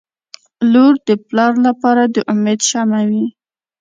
• لور د پلار لپاره د امید شمعه وي.